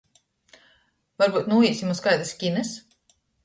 Varbyut nūīsim iz kaidys kinys?